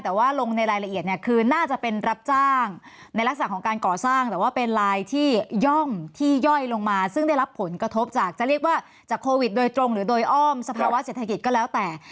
แต่ว่าลงในรายละเอียดเนี่ยคือน่าจะเป็นรับจ้างในลักษณะของการก่อสร้างแต่ว่าเป็นลายที่ย่อมที่ย่อยลงมาซึ่งได้รับผลกระทบจากจะเรียกว่าจากโควิดโดยตรงหรือโดยอ้อมสภาวะเศรษฐกิจก็แล้วแต่